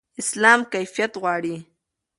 اسلام کیفیت غواړي.